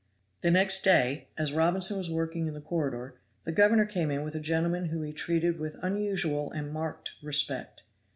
The next day, as Robinson was working in the corridor, the governor came in with a gentleman whom he treated with unusual and marked respect.